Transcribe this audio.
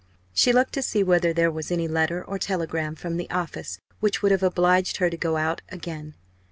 She looked to see whether there was any letter or telegram from the office which would have obliged her to go out again.